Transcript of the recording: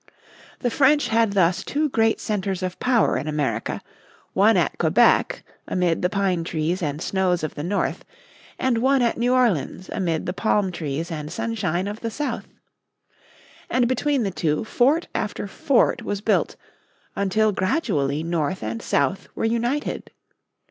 The French had thus two great centres of power in America, one at Quebec amid the pine trees and snows of the North, and one at New Orleans amid the palm trees and sunshine of the South. And between the two fort after fort was built, until gradually north and south were united.